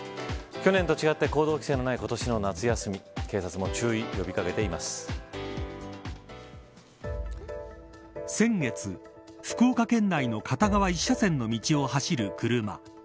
去年と違って行動規制のない今年の夏休み先月、福岡県内の片側１車線の道を走る車。